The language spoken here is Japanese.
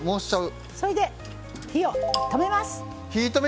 それで火を止めます。